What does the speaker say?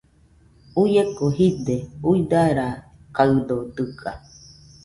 Uieko jide, uidarakaɨdo dɨga.